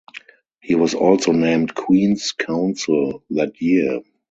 He was also named Queens Counsel that year.